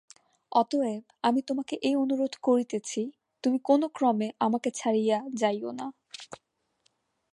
অতএব আমি তোমাকে এই অনুরোধ করিতেছি তুমি কোন ক্রমে আমাকে ছাড়িয়া যাইও না।